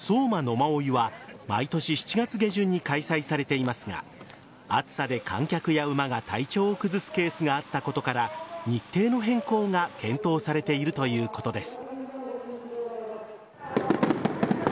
馬追は、毎年７月下旬に開催されていますが暑さで、観客や馬が体調を崩すケースがあったことから日程の変更が検討されているということです。